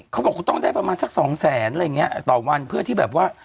เขาบอกเขาต้องได้ประมาณสักสองแสนอะไรอย่างนี้ต่อวันเพื่อที่แบบว่า